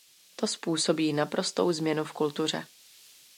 To způsobí naprostou změnu v kultuře.